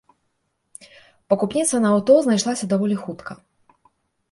Пакупніца на аўто знайшлася даволі хутка.